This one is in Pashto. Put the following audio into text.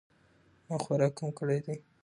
ما خوراک کم کړی دی